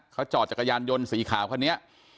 เขาจอดจักรยานยนต์สีขาวคันนี้